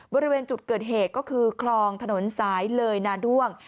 บริเวณจุดเกิดเหตุก็คือคลองถนนสายเลยนาด้วง